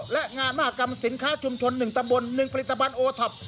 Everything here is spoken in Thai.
และงานมหากรรมสินค้าชุมชน๑ตำบล๑ผลิตภัณฑ์โอท็อป